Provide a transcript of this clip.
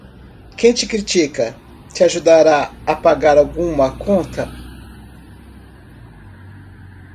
Quem te critica, te ajudará a pagar alguma conta?